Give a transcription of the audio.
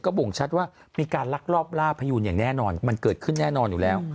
บ่งชัดว่ามีการลักลอบล่าพยูนอย่างแน่นอนมันเกิดขึ้นแน่นอนอยู่แล้ว